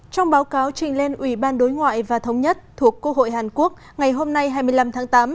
trong báo cáo trình lên ủy ban đối ngoại và thống nhất thuộc quốc hội hàn quốc ngày hôm nay hai mươi năm tháng tám